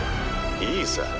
いいさ。